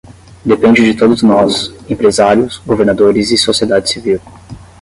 Depende de todos nós, empresários, governadores e sociedade civil.